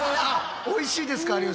おいしいですか？